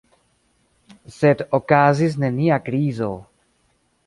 Sed okazis nenia krizo.